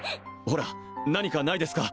ほら何かないですか？